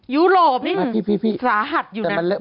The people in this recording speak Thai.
ยุโรปนี่สาหัสอยู่นะ